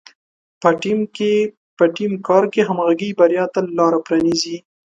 په ټیم کار کې همغږي بریا ته لاره پرانیزي.